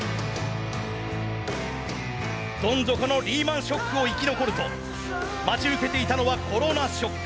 どん底のリーマン・ショックを生き残ると待ち受けていたのはコロナショック。